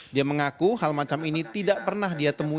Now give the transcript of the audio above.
dia mengaku hal macam ini tidak pernah dia temui